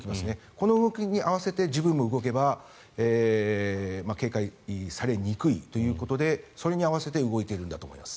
この動きに合わせて自分も動けば警戒されにくいということでそれに合わせて動いているんだと思います。